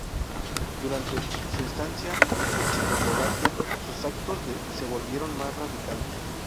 Durante su estancia en Checoslovaquia sus actos se volvieron más radicales.